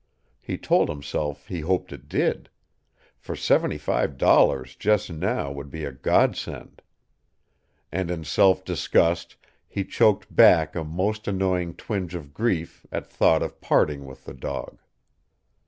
He told himself he hoped it did. For seventy five dollars just now would be a godsend. And in self disgust he choked back a most annoying twinge of grief at thought of parting with the dog.